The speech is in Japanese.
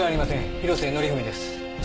広瀬則文です。